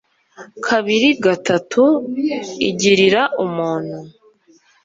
kabiri gatatu, igirira muntu